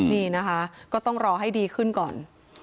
นี่นะคะก็ต้องรอให้ดีขึ้นก่อน